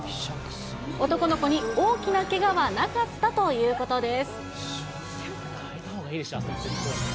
男の子に大きなけがはなかったということです。